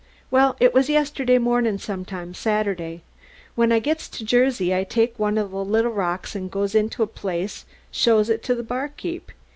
"Well, it was yesterday mornin' sometime, Saturday. When I gits to Jersey I takes one o' the little rocks an' goes into a place an' shows it to the bar keep.